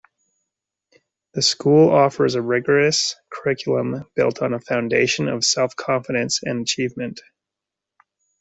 The school offers a rigorous curriculum built on a foundation of self-confidence and achievement.